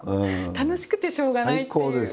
楽しくてしょうがないっていう感じが。